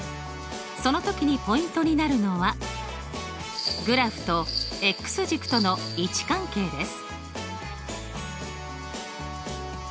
その時にポイントになるのはグラフと軸との位置関係です。